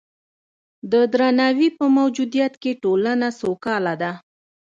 د درناوي په موجودیت کې ټولنه سوکاله ده.